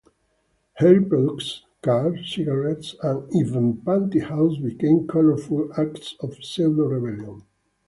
Hair products, cars, cigarettes, and even pantyhose became colorful acts of pseudo-rebellion.